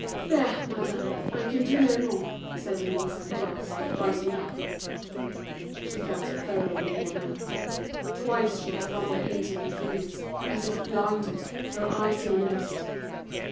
"There, madame, I can do no more," said Denise, at last, rising up. She felt thoroughly worn out. Twice she had run the pins in her fingers, as if blinded, her eyes in a mist.